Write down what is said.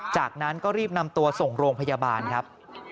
จากนั้นก็รีบนำตัวส่งโรงพยาบาลครับ